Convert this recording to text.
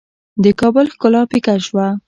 د کابل ښکلا پیکه شوه.